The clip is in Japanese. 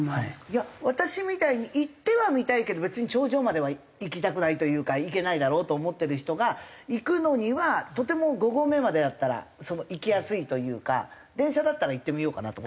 いや私みたいに行ってはみたいけど別に頂上までは行きたくないというか行けないだろうと思ってる人が行くのにはとても５合目までだったら行きやすいというか電車だったら行ってみようかなと思う。